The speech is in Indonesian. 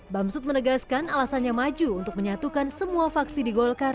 bamsud menegaskan alasannya maju untuk menyatukan semua vaksi di golkar